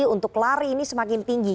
untuk lari ini semakin tinggi